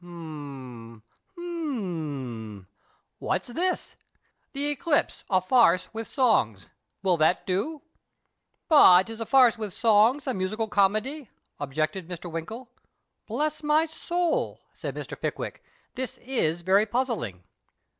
H'm, h'm, what's this ? The Eclipse, a farce with songs — will that do ?"" But is a farce with songs a musical comedy ?" objected Mr. Winkle. " Bless my soul," said Mr. Pickwick, " this is very puzzling."